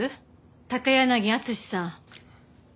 高柳敦さん。